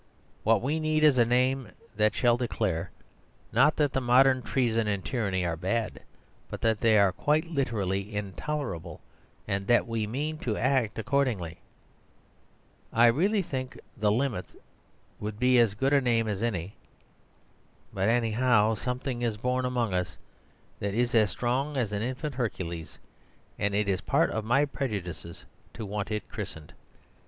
What we need is a name that shall declare, not that the modern treason and tyranny are bad, but that they are quite literally, intolerable: and that we mean to act accordingly. I really think "the Limits" would be as good a name as any. But, anyhow, something is born among us that is as strong as an infant Hercules: and it is part of my prejudices to want it christened.